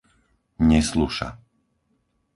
Nesluša